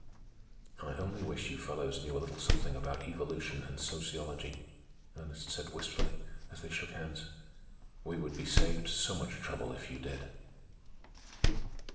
"I only wish you fellows knew a little something about evolution and sociology," Ernest said wistfully, as they shook hands. "We would be saved so much trouble if you did."